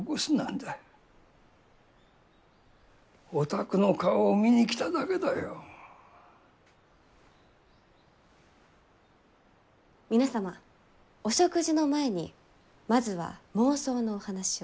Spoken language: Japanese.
お宅の顔を見に来ただけだよ。皆様お食事の前にまずは妄想のお話を。